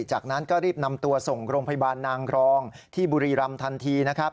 จากนั้นก็รีบนำตัวส่งโรงพยาบาลนางรองที่บุรีรำทันทีนะครับ